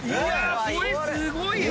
これすごいよ！